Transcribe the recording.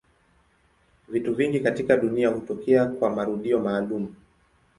Vitu vingi katika dunia hutokea kwa marudio maalumu.